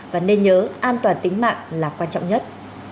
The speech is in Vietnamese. và nên nhớ an toàn tính mạng là quan trọng nhất